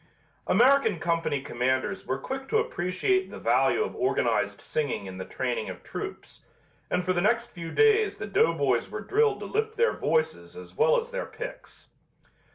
American company commanders were quick to appreciate the value of organized singing in the training of troops, and for the next few days the doughboys were drilled to lift their voices as well as their picks.